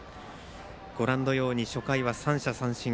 ご覧のように初回は３者三振。